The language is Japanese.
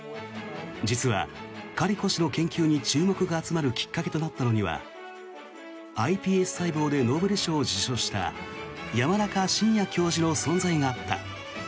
実はカリコ氏の研究に注目があつまるきっかけとなったのにはｉＰＳ細胞でノーベル賞を受賞した山中伸弥教授の存在があった。